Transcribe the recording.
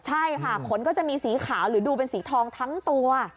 ใช่ค่ะขนก็จะมีสีขาวหรือดูเป็นสีทองทั้งตัว